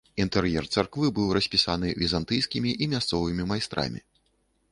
Інтэр'ер царквы быў распісаны візантыйскімі і мясцовымі майстрамі.